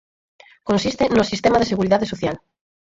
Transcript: Consiste no sistema de seguridade social.